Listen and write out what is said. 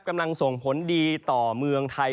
กำลังส่งผลดีต่อเมืองไทย